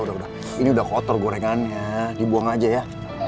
udah ini udah kotor gorengannya dibuang aja ya